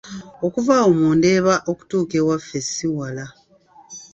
Okuva awo mu Ndeeba okutuuka ewaffe ssi wala.